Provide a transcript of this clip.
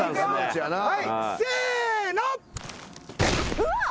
うわっ！